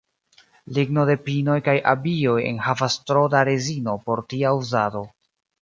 Ligno de pinoj kaj abioj enhavas tro da rezino por tia uzado.